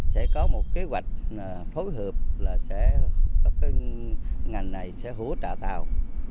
sẽ có một kế hoạch phối hợp là sẽ các ngành này sẽ hỗ trợ tàu